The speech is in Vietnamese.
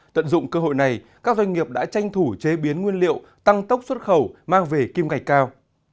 tận dụng cơ hội này các doanh nghiệp đã tranh thủ chế biến nguyên liệu tăng tốc xuất khẩu mang về kim ngạch cao